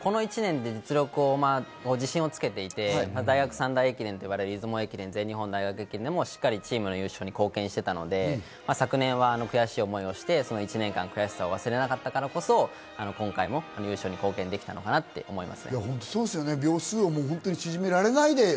安原選手はこの１年で実力を、自信をつけていて、大学３大駅伝と言われる出雲、全日本でもチームの優勝に貢献していたので、昨年は悔しい思いをして１年間、悔しさを忘れなかったからこそ、今回も優勝に貢献できたのかなと思います。